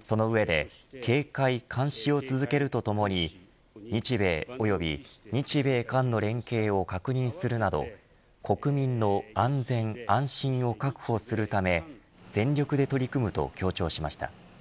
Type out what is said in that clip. その上で警戒、監視を続けるとともに日米及び日米韓の連携を確認するなど国民の安全安心を確保するため全力で取り組むと強調しました。